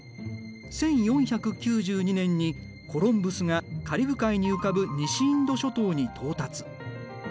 １４９２年にコロンブスがカリブ海に浮かぶ西インド諸島に到達。